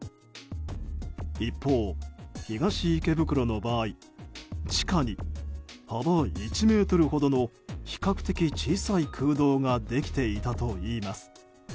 一方、東池袋の場合地下に幅１ｍほどの比較的小さい空洞ができていたといいます。